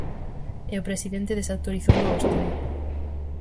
E o presidente desautorizouno a vostede.